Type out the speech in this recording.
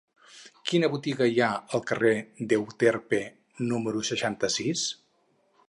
Quina botiga hi ha al carrer d'Euterpe número seixanta-sis?